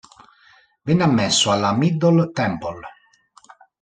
Venne ammesso alla Middle Temple.